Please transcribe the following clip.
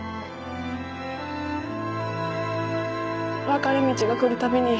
分かれ道がくるたびに。